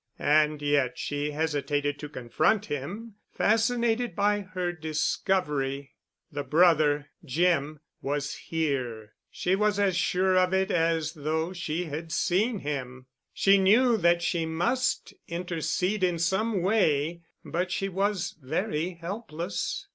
And yet she hesitated to confront him, fascinated by her discovery.... The brother—Jim—was here—she was as sure of it as though she had seen him. She knew that she must intercede in some way, but she was very helpless.